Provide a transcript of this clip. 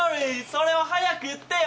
それを早く言ってよ。